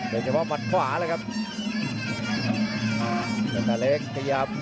โดยเฉพาะปัดขวานะครับ